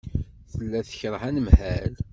Tella tekṛeh anemhal.